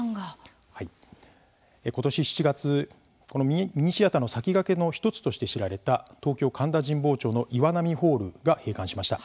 今年７月、ミニシアターの先駆けの１つとして知られた東京・神田神保町の岩波ホールが閉館しました。